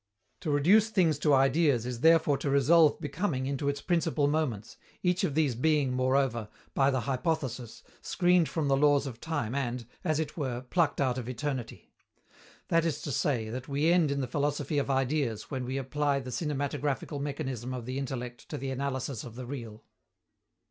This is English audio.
To reduce things to Ideas is therefore to resolve becoming into its principal moments, each of these being, moreover, by the hypothesis, screened from the laws of time and, as it were, plucked out of eternity. That is to say that we end in the philosophy of Ideas when we apply the cinematographical mechanism of the intellect to the analysis of the real.